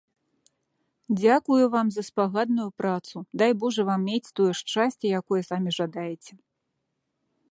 Дзякую вам за спагадную працу, дай божа вам мець тое шчасце, якое самі жадаеце.